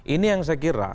ini yang saya kira